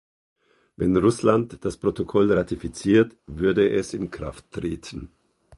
Wenn Russland das Protokoll ratifiziert, würde es in Kraft treten.